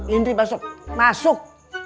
indri masuk masuk